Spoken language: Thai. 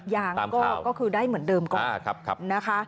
ยังก็คือได้เหมือนเดิมก่อนนะคะ